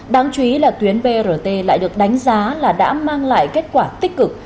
đáng chú ý là tuyến brt lại được đánh giá là đã mang lại kết quả tích cực